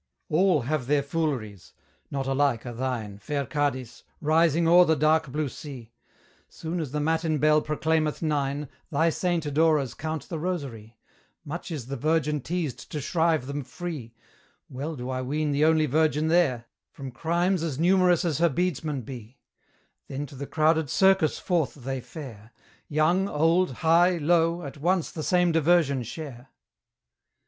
All have their fooleries; not alike are thine, Fair Cadiz, rising o'er the dark blue sea! Soon as the matin bell proclaimeth nine, Thy saint adorers count the rosary: Much is the Virgin teased to shrive them free (Well do I ween the only virgin there) From crimes as numerous as her beadsmen be; Then to the crowded circus forth they fare: Young, old, high, low, at once the same diversion share.